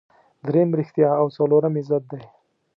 دریم ریښتیا او څلورم عزت دی.